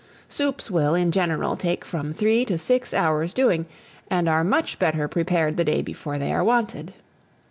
Soups will, in general, take from three to six hours doing, and are much better prepared the day before they are wanted.